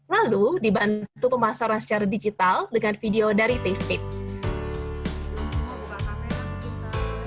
lalu dibantu pemasaran secara digital dengan video dari tastemade